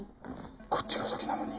こっちが先なのに。